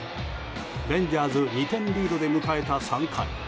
レンジャーズ２点リードで迎えた３回。